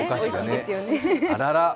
あららら。